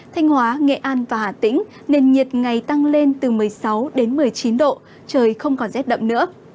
thanh hóa nghệ an và hà tĩnh nền nhiệt ngày tăng lên từ một mươi sáu đến một mươi chín độ trời không còn rét đậm nữa